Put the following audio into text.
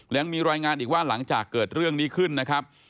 ยังมีรายงานอีกว่าหลังจากเกิดเรื่องนี้ขึ้นนะครับ